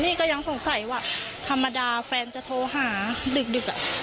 นี่ก็ยังสงสัยว่าธรรมดาแฟนจะโทรหาดึก